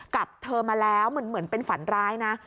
กับเธอมาแล้วเหมือนเป็นฝันร้ายนะ